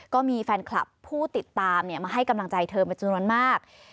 ก็มีแฟนคลับผู้ติดตามเนี่ยมาให้กำลังใจเธอมาจุดน้อยมาก